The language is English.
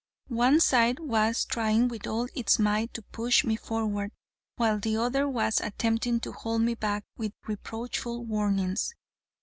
One side was trying with all its might to push me forward, while the other was attempting to hold me back with reproachful warnings.